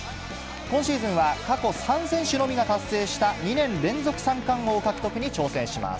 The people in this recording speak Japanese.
今シーズンは過去３選手のみが達成した２年連続三冠王獲得に挑戦します。